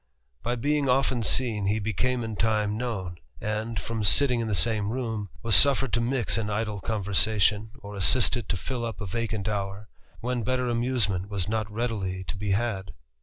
By being often seen, he became in time nown ; and, from sitting in the same room, was suffered to lix in idle conversation, or assisted to fill up a vacant hour, rhen better amusement was not readily to be had.